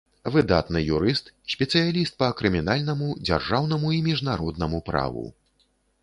Выдатны юрыст, спецыяліст па крымінальнаму, дзяржаўнаму і міжнароднаму праву.